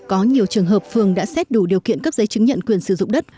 có nhiều trường hợp phường đã xét đủ điều kiện cấp giấy chứng nhận quyền sử dụng đất